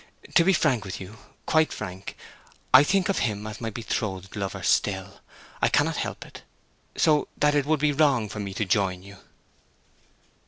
To be frank with you—quite frank—I think of him as my betrothed lover still. I cannot help it. So that it would be wrong for me to join you."